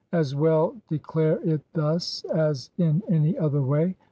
'As well declare it thus as in any other way.